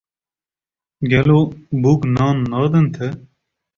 Gelo bûk nan nadin te